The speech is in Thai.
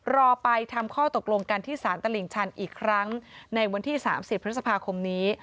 รอไปทำข้อตกลงกันที่สารตลิ่งชันอีกครั้งในวันที่๓๐พฤษภาคมนี้